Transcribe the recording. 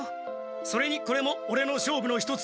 それにこれもオレの勝負の一つだ。